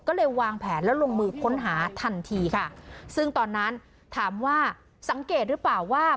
ก็เลยวางแผนแล้วลงมือค้นหาทันทีค่ะซึ่งตอนนั้นถามว่าสังเกตหรือเปล่าว่า